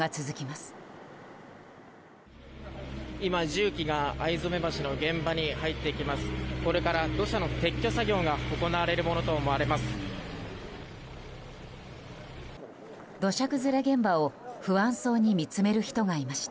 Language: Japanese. これから土砂の撤去作業が行われるものとみられます。